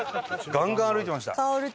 ガンガン歩いてました。